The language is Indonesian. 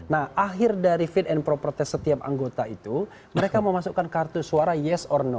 nah akhir dari fit and proper test setiap anggota itu mereka memasukkan kartu suara yes or no